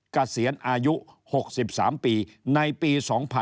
เกษียณอายุ๖๓ปีในปี๒๕๖๒